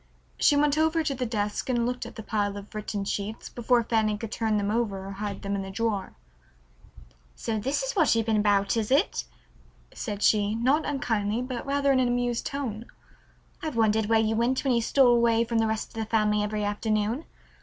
She went over to the desk and looked at the pile of written sheets before Fanny could turn them over or hide them in the drawer. "So this is what you've been about, is it?" said she, not unkindly, but rather in an amused tone. "I've wondered where you went when you stole away from the rest of the family every afternoon.